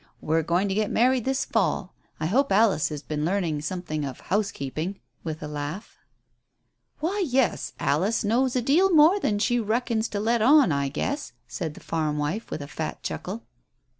"We're going to get married this fall. I hope Alice has been learning something of housekeeping" with a laugh. "Why, yes. Alice knows a deal more than she reckons to let on, I guess," said the farm wife, with a fat chuckle.